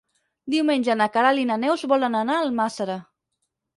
Diumenge na Queralt i na Neus volen anar a Almàssera.